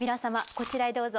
こちらへどうぞ。